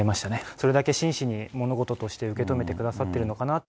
それだけ真摯に、物事として受け止めくださっているのかなと。